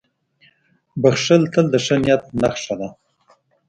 • بښل تل د ښه نیت نښه ده.